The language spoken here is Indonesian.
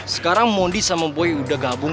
sekarang mondi sama buoy udah gabung